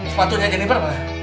sepatunya jennifer apa